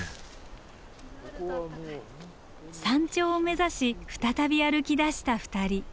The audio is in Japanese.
山頂を目指し再び歩きだした２人。